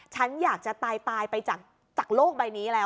ฉันอยากจะตายไปจากโลกใบนี้แล้ว